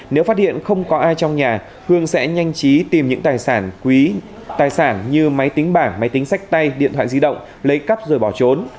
nếu phát hiện không có ai trong nhà hương sẽ nhanh chí tìm những tài sản quý tài sản như máy tính bảng máy tính sách tay điện thoại di động lấy cắp rồi bỏ trốn